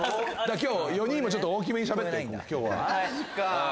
今日４人も大きめにしゃべって。